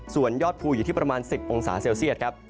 ส่วนยอดภูอยู่ที่ประมาณ๑๐องศาเซลเซียตครับ